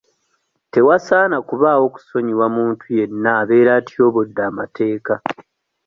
Tewasaana kubaawo kusonyiwa muntu yenna abeera atyobodde amateeka.